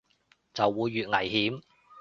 就會越危險